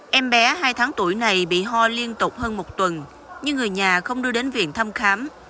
em bé hai tháng tuổi này bị ho liên tục hơn một tuần nhưng người nhà không đưa đến viện thăm khám